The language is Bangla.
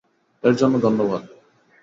এর জন্য ধন্যবাদ।